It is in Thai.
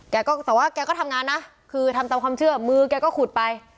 แกก็แต่ว่าแกก็ทำงานนะคือทำตามความเชื่อมือแกก็ขุดไป